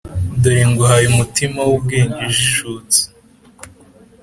dore nguhaye umutima w’ubwenge ujijutse;